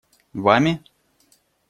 Вами?